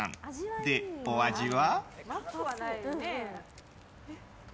で、お味は？